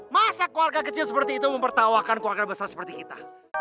masa keluarga kecil seperti itu mempertawakan keluarga besar seperti kita